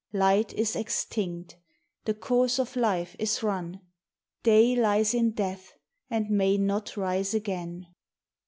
Light is extinct, the course of life is run, Day lies in death and may not rise again.